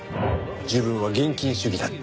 「自分は現金主義だ」って。